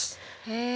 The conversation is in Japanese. へえ。